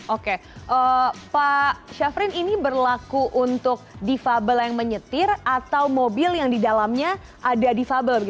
oke pak syafrin ini berlaku untuk difabel yang menyetir atau mobil yang di dalamnya ada difabel